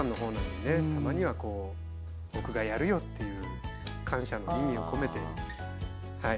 たまにはこう僕がやるよっていう感謝の意味を込めてはい。